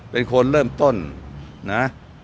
เป็นคนเริ่มต้นนะ